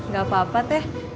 gak apa apa teh